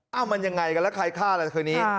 เอ้ามันยังไงกันแล้วใครฆ่าแล้วคนนี้